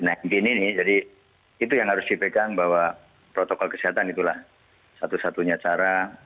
mungkin ini jadi itu yang harus dipegang bahwa protokol kesehatan itulah satu satunya cara